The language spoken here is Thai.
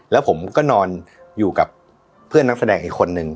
แล้วผมก็นอนอยู่กับเพื่อนนักแสดงอีกคนนึง